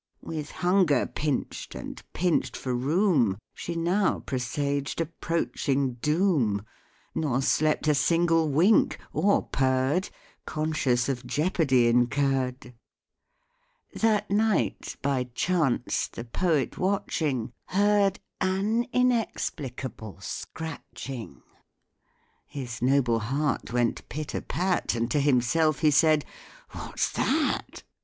With hunger pinch'd, and pinch'd for room, She now presaged approaching doom, Nor slept a single wink, or purr'd, Conscious of jeopardy incurr'd. That night, by chance, the poet watching, Heard an inexplicable scratching; His noble heart went pit a pat, And to himself he said "What's that?"